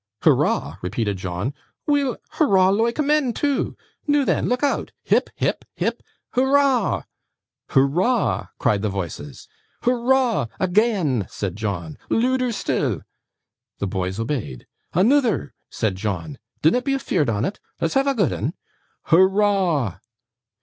'Hurrah?' repeated John. 'Weel, hurrah loike men too. Noo then, look out. Hip hip, hip hurrah!' 'Hurrah!' cried the voices. 'Hurrah! Agean;' said John. 'Looder still.' The boys obeyed. 'Anoother!' said John. 'Dinnot be afeared on it. Let's have a good 'un!' 'Hurrah!